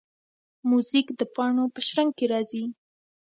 موزیک د پاڼو په شرنګ کې راځي.